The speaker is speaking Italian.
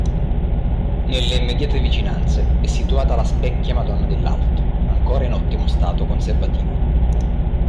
Nelle immediate vicinanze è situata la "Specchia Madonna dell'Alto", ancora in ottimo stato conservativo.